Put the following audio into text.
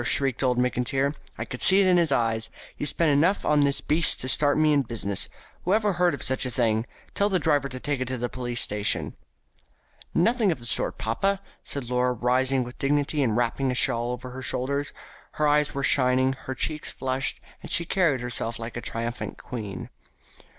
shrieked old Mr. McIntyre. "I could see it in his eye. He spent enough on this beast to start me in business. Whoever heard of such a thing? Tell the driver to take it to the police station." "Nothing of the sort, papa," said Laura, rising with dignity and wrapping a shawl about her shoulders. Her eyes were shining, her cheeks flushed, and she carried herself like a triumphant queen.